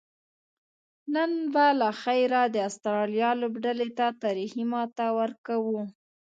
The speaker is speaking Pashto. نن به لخیره د آسترالیا لوبډلې ته تاریخي ماته ورکوو